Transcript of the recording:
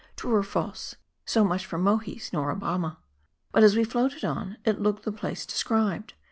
True or false, so much for Mohi's Nora Bamma. But as we floated on, it looked the place described.